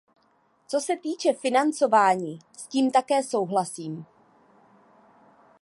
Co se týče financování, s tím také souhlasím.